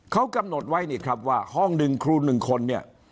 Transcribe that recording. เขากำหนดไว้นี่ครับว่าห้องหนึ่งครู๑คนเนี่ย